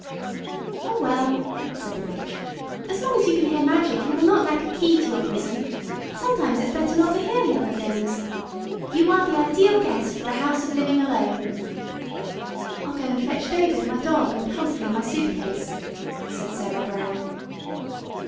"Oh, well," said the witch, "as long as you can hear magic you will not lack a key to your prison. Sometimes it's better not to hear the other things. You are the ideal guest for the House of Living Alone." "I'll go and fetch David my Dog and Humphrey my Suit case," said Sarah Brown.